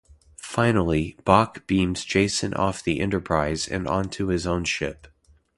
Finally, Bok beams Jason off the Enterprise and onto his own ship.